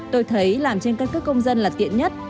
tôi thấy làm trên căn cước công dân là tiện nhất